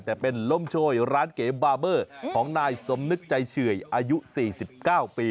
แต่เป็นล้มโชยร้านเก๋บาเบอร์ของนายสมนึกใจเฉื่อยอายุ๔๙ปี